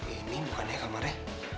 ini bukan yang sama re